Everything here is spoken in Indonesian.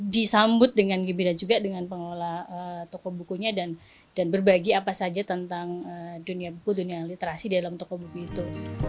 disambut dengan gembira juga dengan pengelola toko bukunya dan berbagi apa saja tentang dunia buku dunia literasi dalam toko buku itu